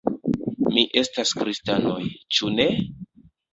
Ni estas kristanoj, ĉu ne?